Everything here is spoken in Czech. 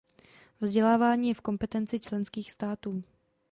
Vzdělávání je v kompetenci členských států.